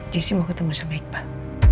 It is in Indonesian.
jessy mau ketemu sama iqbal